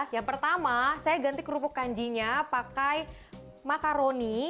yang pertama saya ganti kerupuk kanjinya pakai makaroni